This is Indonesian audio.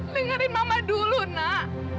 dengerin mama dulu nak